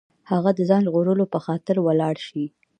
هغه د ځان ژغورلو په خاطر ولاړ شي.